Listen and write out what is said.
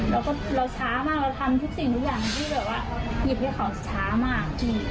แล้วก็เราช้ามากเราทำทุกสิ่งทุกอย่างที่แบบว่าหยิบให้เขาช้ามาก